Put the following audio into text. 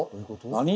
何？